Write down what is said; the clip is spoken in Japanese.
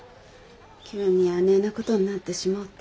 急にあねえなことになってしもうて。